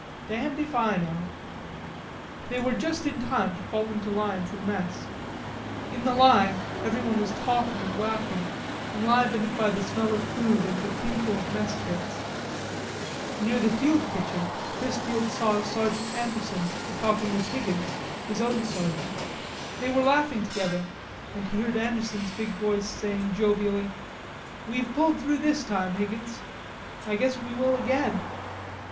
"Damned if I know." They were just in time to fall into line for mess. In the line everyone was talking and laughing, enlivened by the smell of food and the tinkle of mess kits. Near the field kitchen Chrisfield saw Sergeant Anderson talking with Higgins, his own sergeant. They were laughing together, and he heard Anderson's big voice saying jovially, "We've pulled through this time, Higgins.... I guess we will again."